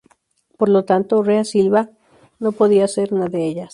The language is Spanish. Por lo tanto, Rea Silvia no podía ser una de ellas.